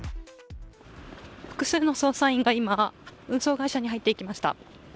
複数の捜査員が今、運送会社に入っていきました。